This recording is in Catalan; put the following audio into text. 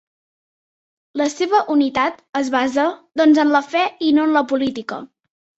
La seva unitat es basa doncs en la fe i no en la política.